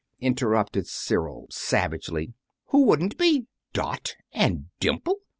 interrupted Cyril, savagely. "Who wouldn't be? 'Dot' and 'Dimple'!